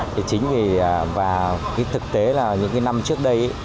thì chính vì và cái thực tế là những cái năm trước đây